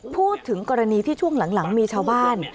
พูดถึงกรณีที่ช่วงหลังมีชาวบ้าน